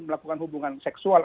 melakukan hubungan seksual